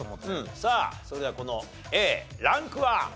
さあそれではこのＡランクは？